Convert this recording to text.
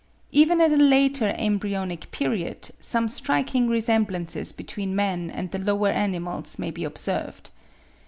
Even at a later embryonic period, some striking resemblances between man and the lower animals may be observed.